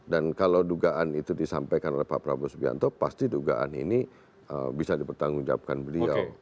dan kalau dugaan itu disampaikan oleh pak prabowo subianto pasti dugaan ini bisa dipertanggung jawabkan beliau